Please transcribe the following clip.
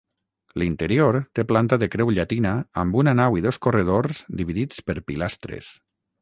L'interior té planta de creu llatina amb una nau i dos corredors dividits per pilastres.